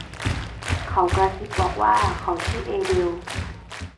เขากระซิบบอกว่าเขาชื่อเอเดล